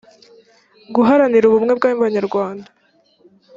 guharanira ubumwe bw’abanyarwanda